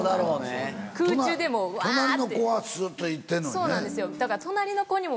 そうなんですよだから。